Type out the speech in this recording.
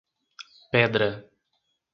Pedra